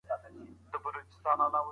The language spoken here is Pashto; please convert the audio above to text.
غازي امان الله خان د خپلواکۍ او عزت اتل دی.